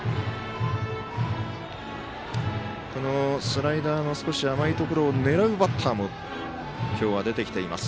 スライダーの少し甘いところを狙うバッターも今日は出てきています。